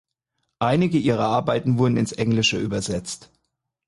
Einige ihrer Arbeiten wurden ins Englische übersetzt.